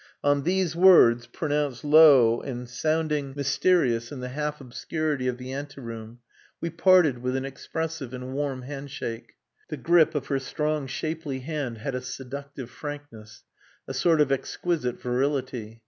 On these words, pronounced low and sounding mysterious in the half obscurity of the ante room, we parted with an expressive and warm handshake. The grip of her strong, shapely hand had a seductive frankness, a sort of exquisite virility.